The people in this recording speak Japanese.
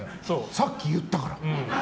さっき言ったから。